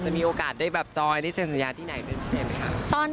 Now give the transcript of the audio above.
มีโอกาสได้แบบจอยได้เซ็นสัญญาที่ไหนเป็นพิเศษไหมคะ